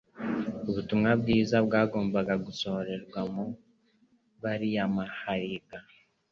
ubutumwa bwiza bwagombaga gusohoreza mu bariyamahariga.